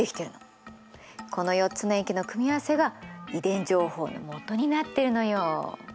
この４つの塩基の組み合わせが遺伝情報のもとになってるのよ。